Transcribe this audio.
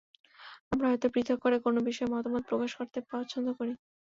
আমরা হয়তো পৃথক করে কোনো বিষয়ে মতামত প্রকাশ করতে পছন্দ করি।